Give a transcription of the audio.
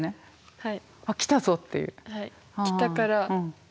はい。